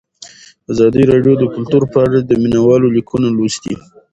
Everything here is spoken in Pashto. ازادي راډیو د کلتور په اړه د مینه والو لیکونه لوستي.